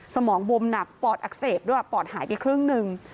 สมองบวมหนักปอดอักเสบด้วยปอดหายไปครึ่งหนึ่ง